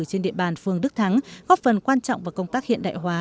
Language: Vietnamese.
trên địa bàn phương đức thắng góp phần quan trọng vào công tác hiện đại hóa